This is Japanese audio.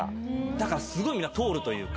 だからすごい声が通るというか。